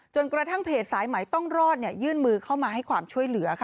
กระทั่งเพจสายไหมต้องรอดยื่นมือเข้ามาให้ความช่วยเหลือค่ะ